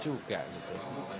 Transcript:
yang pakai juga